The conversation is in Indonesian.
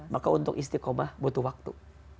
maka untuk istiqomah butuh waktu